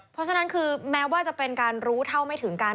เพราะฉะนั้นคือแม้ว่าจะเป็นการรู้เท่าไม่ถึงกัน